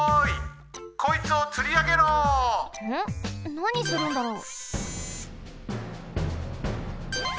なにするんだろう？